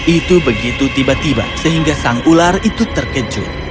itu begitu tiba tiba sehingga sang ular itu terkejut